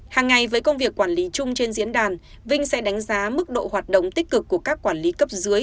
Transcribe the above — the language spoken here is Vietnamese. hàng ngày với công việc quản lý chung trên diễn đàn vinh sẽ đánh giá mức độ hoạt động tích cực của các quản lý cấp dưới